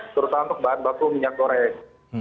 terutama untuk bahan baku minyak goreng